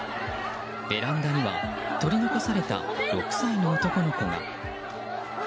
ベランダには取り残された６歳の男の子が。